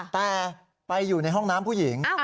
แต่ไปอยู่ในห้องน้ำผู้หญิง